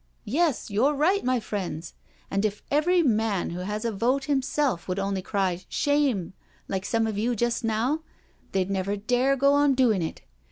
" Yes, you're right, my friends. And if every man who has a vote himself would only cry ' Shame I' like some of you just now, they'd never dare go on doing it.